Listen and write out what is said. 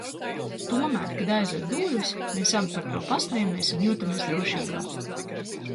Tomēr, kad aizveru durvis, mēs abi par to pasmejies un jūtamies drošībā.